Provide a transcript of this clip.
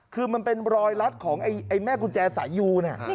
คือมันเป็นรอยรัดของไอ้แม่กุญแจสายยูนะ